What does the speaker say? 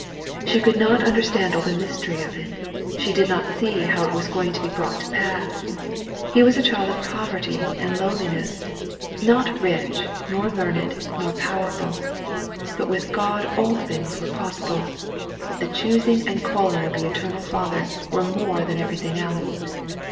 She could not understand all the mystery of it; she did not see how it was going to be brought to pass. He was a child of poverty and lowliness; not rich, nor 280 THE BOY OP NAZARETH DREAMS learned, nor powerful. But with God all things were possible. The choosing and calling of the eternal Father were more than everything else.